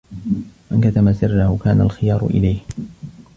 مَنْ كَتَمَ سِرَّهُ كَانَ الْخِيَارُ إلَيْهِ